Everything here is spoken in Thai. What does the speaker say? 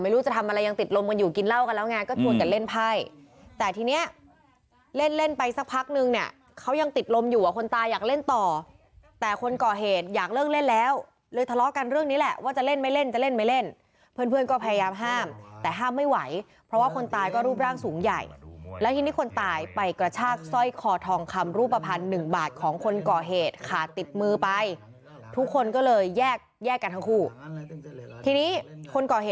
เล่นเล่นไปสักพักนึงเนี่ยเขายังติดลมอยู่ว่าคนตายอยากเล่นต่อแต่คนก่อเหตุอยากเลิกเล่นแล้วเลยทะเลาะกันเรื่องนี้แหละว่าจะเล่นไม่เล่นจะเล่นไม่เล่นเพื่อนเพื่อนก็พยายามห้ามแต่ห้ามไม่ไหวเพราะว่าคนตายก็รูปร่างสูงใหญ่แล้วทีนี้คนตายไปกระชากสร้อยคอทองคำรูปภัณฑ์หนึ่งบาทของคนก่อเหตุขาติดมือไปทุกคนก็เลยแ